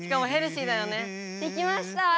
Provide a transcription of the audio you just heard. できました。